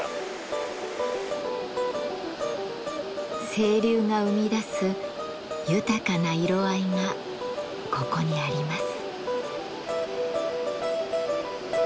清流が生みだす豊かな色合いがここにあります。